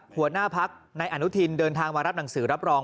หัวหน้าพักในอนุทินเดินทางมารับหนังสือรับรอง